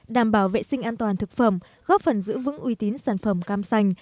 đảm bảo vệ sinh an toàn thực phẩm góp phần giữ vững uy tín sản phẩm cam sành